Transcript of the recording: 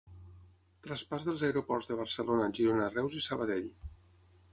Traspàs dels aeroports de Barcelona, Girona, Reus i Sabadell